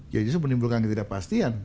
itu menimbulkan ketidakpastian